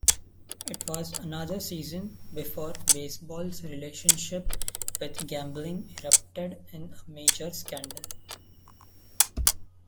It was another season before baseball's relationship with gambling erupted in a major scandal.